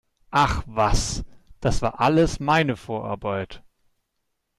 Ach was, das war alles meine Vorarbeit!